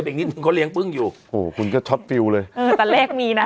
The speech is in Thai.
อีกนิดนึงเขาเลี้ยปึ้งอยู่โอ้โหคุณก็ช็อตฟิลเลยเออตอนแรกมีนะ